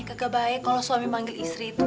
gak baik kalau suami manggil istri itu